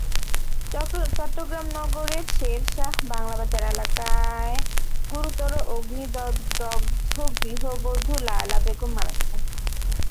চট্টগ্রাম নগরের শেরশাহ বাংলাবাজার এলাকায় গুরুতর অগ্নিদগ্ধ গৃহবধূ লায়লা বেগম মারা গেছেন।